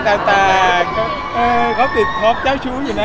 พอสาวต่างเขาติดพอสาวเจ้าชู้อยู่นะ